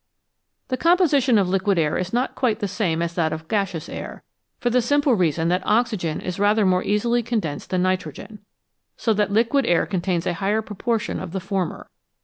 The composition of liquid air is not quite the same as that of gaseous air, for the simple reason that oxygen is rather more easily condensed than nitrogen, so that liquid air contains a higher proportion of the former.